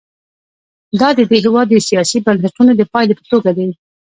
دا د دې هېواد د سیاسي بنسټونو د پایلې په توګه دي.